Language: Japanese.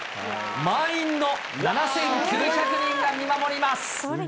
満員の７９００人が見守ります。